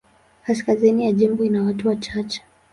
Kaskazini ya jimbo ina watu wachache.